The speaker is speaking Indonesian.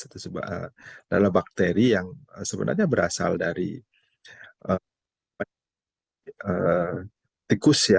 itu adalah bakteri yang sebenarnya berasal dari tikus ya